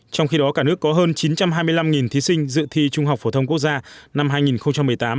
trong khi đó cả nước có hơn chín trăm hai mươi năm thí sinh dự thi trung học phổ thông quốc gia năm hai nghìn một mươi tám